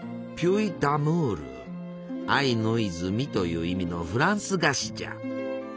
「愛の泉」という意味のフランス菓子じゃ。